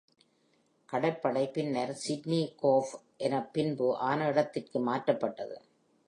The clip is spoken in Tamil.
கடற்படை பின்னர் Sydney Cove எனப் பின்பு ஆன இடத்திற்கு மாற்றப்பட்டது.